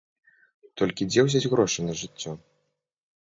Толькі дзе ўзяць грошы на жыццё?